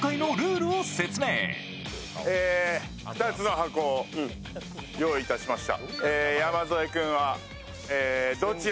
２つの箱を用意しました。